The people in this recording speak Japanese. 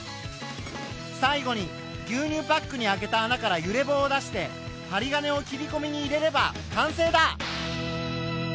最後に牛乳パックに開けた穴から揺れ棒を出してはり金を切りこみに入れれば完成だ。